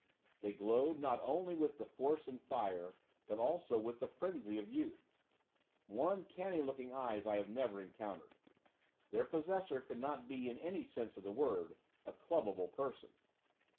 They glowed not only with the force and fire, but, also, with the frenzy of youth. More uncanny looking eyes I had never encountered, their possessor could not be, in any sense of the word, a clubable person.